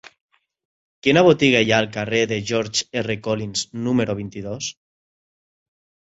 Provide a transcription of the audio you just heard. Quina botiga hi ha al carrer de George R. Collins número vint-i-dos?